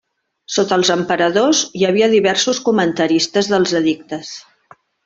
Sota els emperadors hi havia diversos comentaristes dels edictes.